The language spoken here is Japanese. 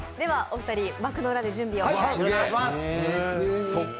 お二人、幕の裏で準備をお願いします。